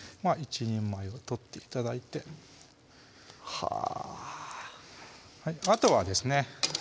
１人前を取って頂いてはぁあとはですね